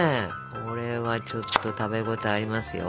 これはちょっと食べ応えありますよ。